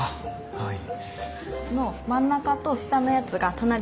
はい。